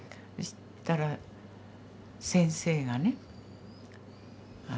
そしたら先生がね